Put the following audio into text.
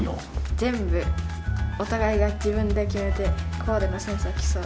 全部お互いが自分で決めてコーデのセンスを競う。